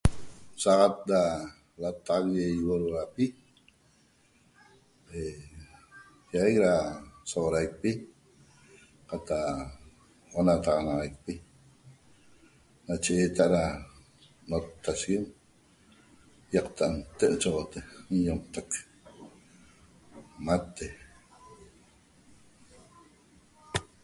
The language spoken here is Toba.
Saxat ra lataxac ye ihuorhuapi iaguec ra soxoraicpi qataq 'onataxanaxaicpi nache eeta ra no'ottasheguem ioqta nte' nche sogote n-iomtac mate